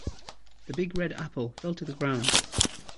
The big red apple fell to the ground.